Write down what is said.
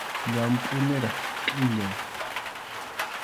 Llampʼu niraq qʼillay.